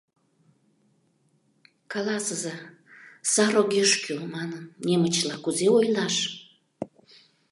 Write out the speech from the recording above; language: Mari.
— Каласыза, «Сар огеш кӱл!» манын, немычла кузе ойлаш?